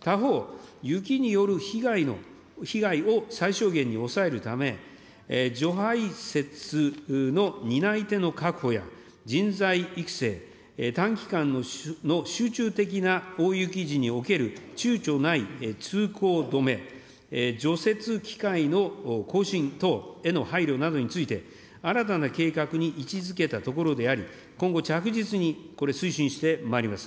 他方、雪による被害を最小限に抑えるため、除排雪の担い手の確保や、人材育成、短期間の集中的な大雪時におけるちゅうちょない通行止め、除雪機械の更新等への配慮などについて、新たな計画に位置づけたところであり、今後、着実にこれ、推進してまいります。